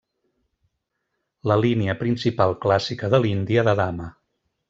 La línia principal clàssica de l'índia de dama.